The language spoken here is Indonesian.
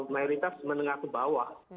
mayoritas menengah ke bawah